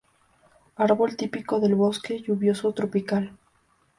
Árbol típico del bosque lluvioso tropical.